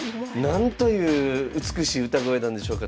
なんという美しい歌声なんでしょうか。